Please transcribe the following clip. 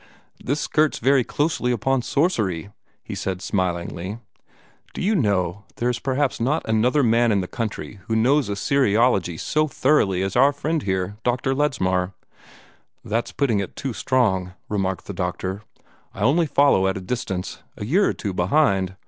"This skirts very closely upon sorcery," he said smilingly. "Do you know, there is perhaps not another man in the country who knows Assyriology so thoroughly as our friend here, Dr. Ledsmar." "That's putting it too strong," remarked the Doctor. "I only follow at a distance a year or two behind.